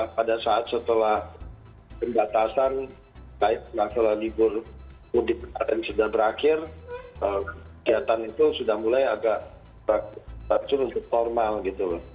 pada saat setelah pembatasan setelah libur mudik yang sudah berakhir kegiatan itu sudah mulai agak normal gitu